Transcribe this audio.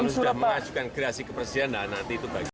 nanti kita akan mengajukan kerasi ke presiden